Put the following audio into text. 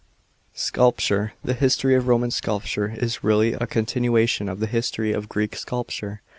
SCULPTURE. — The history of "Roman sculpture" is really a continuation of the history of Greek sculpture.